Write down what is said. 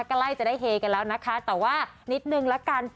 กลายจะถึงให้ให้กันแล้วแต่ว่านิดนึงละกัน